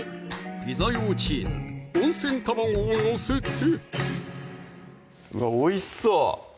ピザ用チーズ・温泉卵を載せてうわおいしそう！